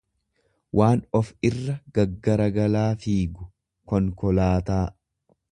Waan of irra gaggaragalaa fiigu, konkolaataa.